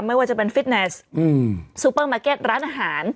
ไม่ว่าจะเป็นฟิตเนสซูเปอร์มาร์เก็ตร้านอาหาร